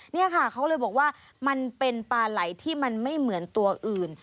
นี่ค่ะเขาเลยบอกว่ามันเป็นปลาไหลที่มันไม่เหมือนตัวอื่น